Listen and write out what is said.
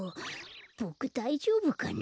ボクだいじょうぶかな？